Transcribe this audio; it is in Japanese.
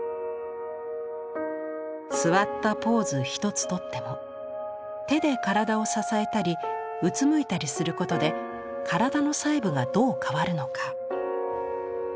座ったポーズ一つとっても手で体を支えたりうつむいたりすることで体の細部がどう変わるのか。